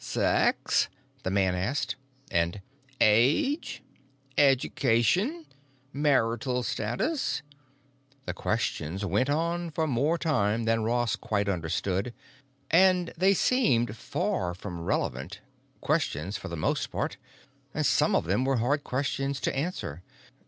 "Sex?" the man asked, and "Age?" "Education?" "Marital status?" The questions went on for more time than Ross quite understood; and they seemed far from relevant questions for the most part; and some of them were hard questions to answer.